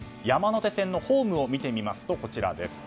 山手線のホームを見てみます。